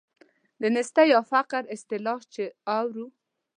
د نیستۍ یا فقر اصطلاح چې اورو.